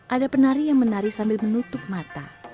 ada penari yang menari sambil menutup mata